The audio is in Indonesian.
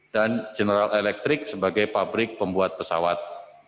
dan general electric sebagai pabrik pembuat pesawat